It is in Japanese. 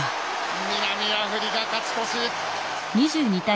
南アフリカ勝ち越し。